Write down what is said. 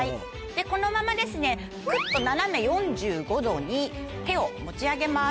このままくっと斜め４５度に手を持ち上げます。